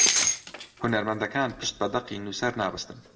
هونەرمەندەکان پشت بە دەقی نووسەر نابەستن